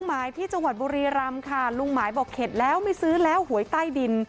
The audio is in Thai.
หมายที่จังหวัดบุรีรำค่ะลุงหมายบอกเข็ดแล้วไม่ซื้อแล้วหวยใต้ดิน